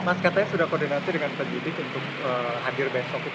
mas katanya sudah koordinasi dengan penyidik untuk hadir besok